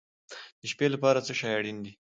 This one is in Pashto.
د شپې لپاره څه شی اړین دی؟